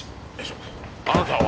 あなたは？